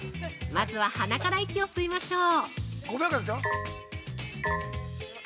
まずは、鼻から息を吸いましょう。